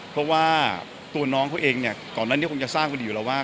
เพราะว่าตัวน้องเขาเองก่อนหน้านี้คงจะทราบอยู่แล้วว่า